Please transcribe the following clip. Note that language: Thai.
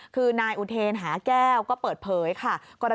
คือนายอุเทนหาแก้วก็เปิดเผยค่ะ